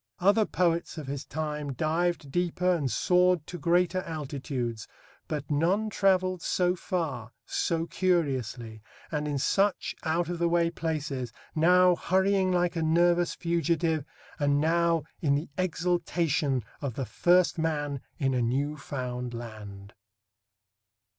Other poets of his time dived deeper and soared to greater altitudes, but none travelled so far, so curiously, and in such out of the way places, now hurrying like a nervous fugitive, and now in the exultation of the first man in a new found land.